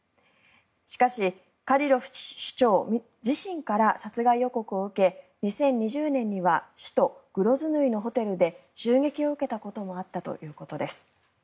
しかし、カディロフ首長自身から殺害予告を受け２０２０年には首都グロズヌイのホテルで襲撃を受けたこともあったということです。